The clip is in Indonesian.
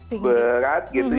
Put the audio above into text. yang berat gitu